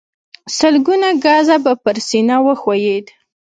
سلګونه ګزه به پر سينه وښويېد.